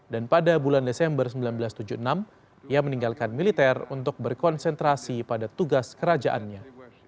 dan pada bulan desember seribu sembilan ratus tujuh puluh enam ia meninggalkan militer untuk berkonsentrasi pada tugas kerajaannya